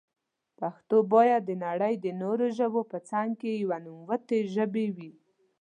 پښتو بايد دنړی د نورو ژبو په څنګ کي يوه نوموتي ژبي وي.